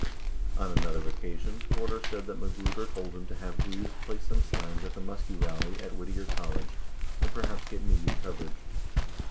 On another occasion, Porter said that Magruder told him to have Greaves place some signs at the Muskie rally at Whit tier College and perhaps get media coverage.